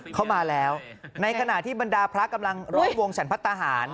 เข้ามาแล้วในขณะที่บรรดาพระกำลังร่วมวงฉันพัฒนาหาร